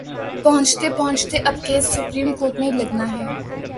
پہنچتے پہنچتے اب کیس سپریم کورٹ میں لگناہے۔